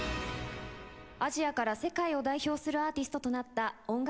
アジアから世界を代表するアーティストとなった音楽